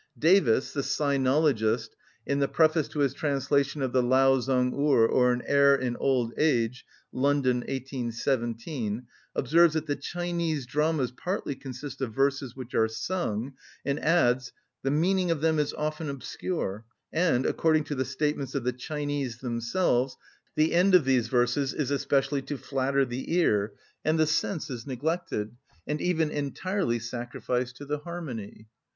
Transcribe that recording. Davis, the Sinologist, in the preface to his translation of the "Laou‐ sang‐urh," or "An Heir in Old Age" (London, 1817), observes that the Chinese dramas partly consist of verses which are sung, and adds: "The meaning of them is often obscure, and, according to the statements of the Chinese themselves, the end of these verses is especially to flatter the ear, and the sense is neglected, and even entirely sacrificed to the harmony."